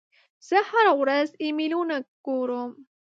زه هره ورځ ایمیلونه ګورم.